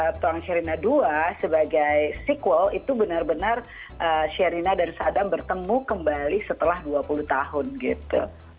petuang sherina ii sebagai sequel itu benar benar sherina dan sadam bertemu kembali setelah dua puluh tahun gitu